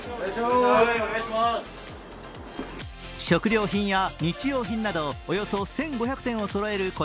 食料品や日用品などおよそ１５００点をそろえる